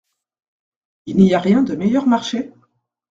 Il n’y a rien de meilleur marché ?